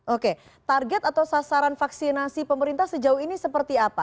oke target atau sasaran vaksinasi pemerintah sejauh ini seperti apa